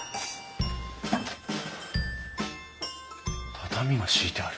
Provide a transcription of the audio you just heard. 畳が敷いてある。